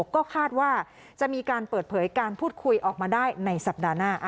ก็คาดว่าจะมีการเปิดเผยการพูดคุยออกมาได้ในสัปดาห์หน้า